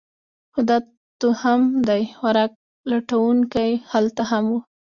خو دا توهم دی؛ خوراک لټونکي هلته هم وو.